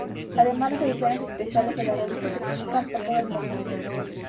Además, las ediciones especiales de la revista se publican por todo el mundo.